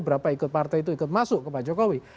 berapa ikut partai itu ikut masuk ke pak jokowi